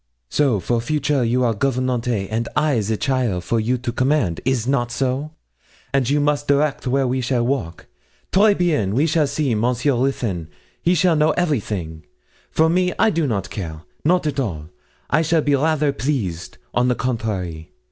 'So, for future you are gouvernante and I the cheaile for you to command is not so? and you must direct where we shall walk. Très bien! we shall see; Monsieur Ruthyn he shall know everything. For me I do not care not at all I shall be rather pleased, on the contrary.